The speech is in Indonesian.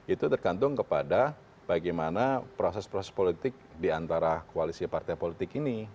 itu tergantung kepada bagaimana proses proses politik diantara koalisi partai politik ini